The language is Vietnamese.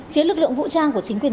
phía lực lượng vũ trang của chính quyền